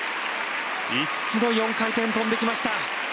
５つの４回転を跳んできました。